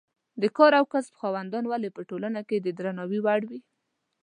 د کار او کسب خاوندان ولې په ټولنه کې د درناوي وړ وي.